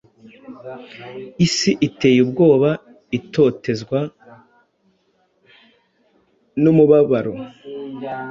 Isi iteye ubwobaitotezwa numubabaro